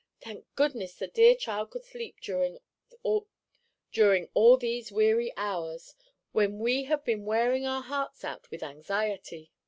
Thank goodness the dear child could sleep during all these weary hours, when we have been wearing our hearts out with anxiety."